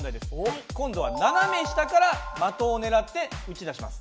今度は斜め下から的をねらって撃ち出します。